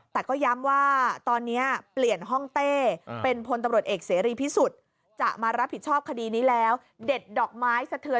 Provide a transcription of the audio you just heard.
แต่ก็ย้ำว่าตอนนี้เปลี่ยนห้องเต้เป็นพลตำรวจเอกเสรีพิสุทธิ์